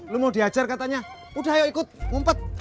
lo mau diajar katanya udah ayo ikut umpet